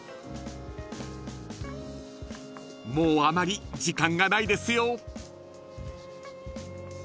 ［もうあまり時間がないですよ］